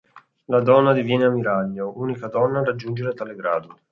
La donna diviene ammiraglio, unica donna a raggiungere tale grado.